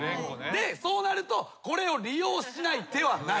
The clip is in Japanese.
でそうなるとこれを利用しない手はない。